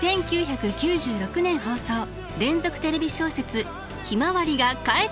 １９９６年放送連続テレビ小説「ひまわり」が帰ってきた。